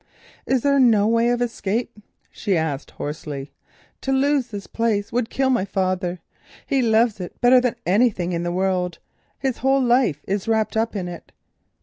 "Is there no way of escape?" she asked hoarsely. "To lose this place would kill my father. He loves it better than anything in the world; his whole life is wrapped up in it."